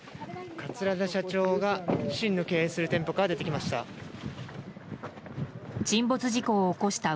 桂田社長が自身の経営する店舗から出てきました。